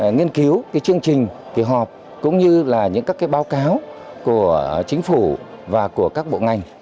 nghiên cứu chương trình kỳ họp cũng như là những các báo cáo của chính phủ và của các bộ ngành